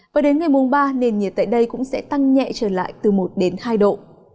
và đến ngày mùng ba nền nhiệt tại đây cũng sẽ tăng nhẹ trở lại từ một đến hai độ